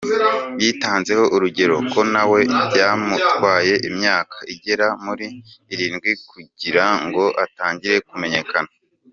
Yitanzeho urugero ko na we byamutwaye imyaka igera muri irindwi kugira ngo atangire kumenyekana.